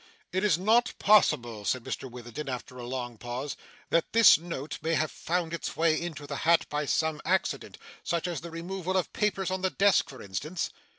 'Is it not possible,' said Mr Witherden, after a long pause, 'that this note may have found its way into the hat by some accident, such as the removal of papers on the desk, for instance?